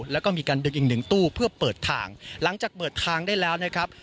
แล้วก็มีการดึงอีกหนึ่งตู้เพื่อเปิดทางหลังจากเปิดทางได้แล้วนะครับ